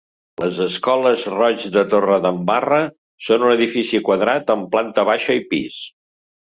Les escoles Roig de Torredembarra, són un edifici quadrat, amb planta baixa i pis.